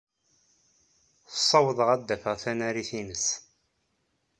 Ssawḍeɣ ad d-afeɣ tanarit-nnes.